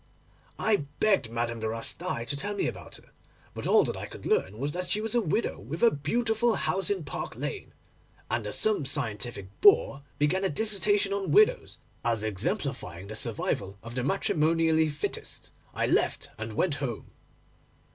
I begged Madame de Rastail to tell me about her; but all that I could learn was that she was a widow with a beautiful house in Park Lane, and as some scientific bore began a dissertation on widows, as exemplifying the survival of the matrimonially fittest, I left and went home.